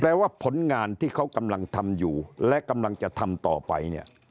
ว่าผลงานที่เขากำลังทำอยู่และกำลังจะทำต่อไปเนี่ย